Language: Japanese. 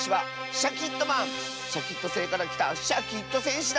シャキットせいからきたシャキットせんしだ！